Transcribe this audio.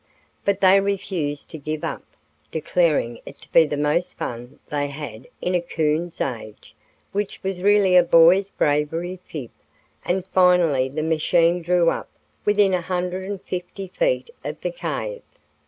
But they refused to give up, declaring it to be the most fun they had had "in a coon's age," which was really a boys' bravery fib, and finally the machine drew up within a hundred and fifty feet of the cave.